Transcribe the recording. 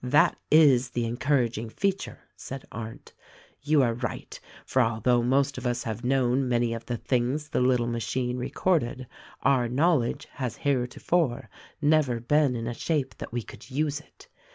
"That is the encouraging feature," said Arndt. 1011 are right ; for although most of us have known many of the things the little machine recorded, our knowledge has here tofore never been in a shape that we could use it.